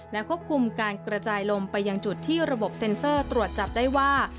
และควบคุมการกระจายลมไปยังจุดที่ระบบเซ็นเซอร์ตรวจจับได้ว่า